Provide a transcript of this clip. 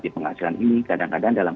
di penghasilan ini kadang kadang dalam